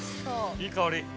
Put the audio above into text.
いい香り。